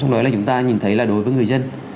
trong đó là chúng ta nhìn thấy là đối với người dân